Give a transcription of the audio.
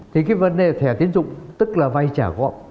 thì cái vấn đề thẻ tín dụng tức là vai trả gọn